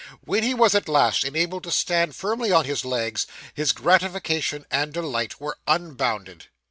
When he was at last enabled to stand firmly on his legs, his gratification and delight were unbounded.